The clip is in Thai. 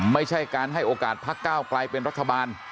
ไม่ใช่การให้โอกาสพักก้าวไกลเป็นรัฐบาล